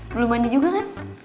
belum mandi juga kan